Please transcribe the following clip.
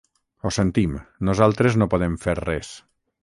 Ho sentim, nosaltres no podem fer res.